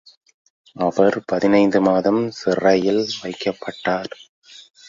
அவர் பதினைந்து மாதம் சிறையில் வைக்கப்பட்டார்.